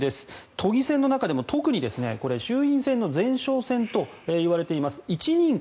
都議選の中でも特に衆院選の前哨戦といわれている１人区。